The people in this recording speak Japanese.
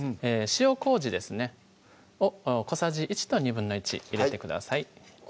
塩麹ですねを小さじ１と１／２入れてください